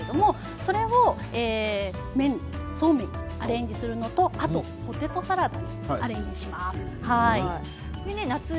それをそうめんにアレンジするのとあとはポテトサラダにアレンジします。